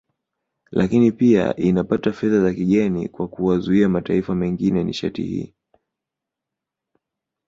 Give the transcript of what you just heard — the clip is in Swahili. Lakini pia inapata fedha za kigeni kwa kuwauzia mataifa mengine nishati hii